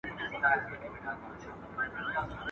انلاین خبرونه ژر خپرېږي